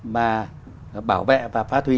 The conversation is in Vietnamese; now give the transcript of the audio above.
mà bảo vệ và phá thuy